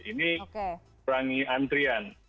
ini perangi antrian